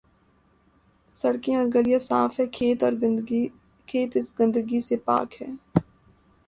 سڑکیں اورگلیاں صاف ہیں، کھیت اس گندگی سے پاک۔